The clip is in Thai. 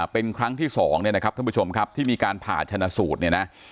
เป็นครั้งที่๒ท่านผู้ชมครับที่มีการผ่านชนะสูตร